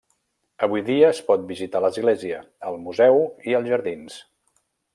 Avui dia es pot visitar l'església, el museu i els jardins.